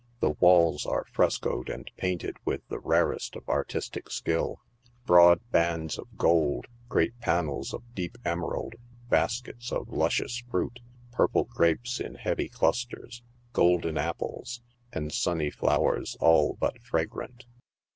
The walls are frescoed and painted with the rarest ot artis tic skill. Broad bands of gold, great pannels of deep emerald, baskets of luscious fruit, purple grapes in heavy clusters, golden apples, and sunny flowers all but fragrant.